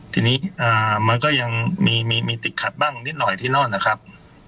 ทีนี้มันก็ยังมีติดขัดบ้างนิดหน่อยที่โน่นนะครับ